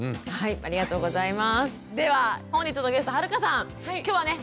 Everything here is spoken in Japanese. ありがとうございます。